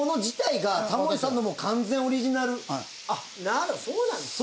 なんだそうなんですね。